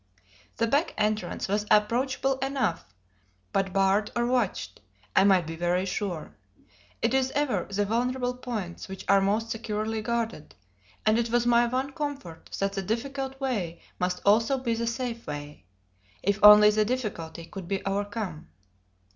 The back entrance was approachable enough, but barred or watched, I might be very sure. It is ever the vulnerable points which are most securely guarded, and it was my one comfort that the difficult way must also be the safe way, if only the difficulty could be overcome.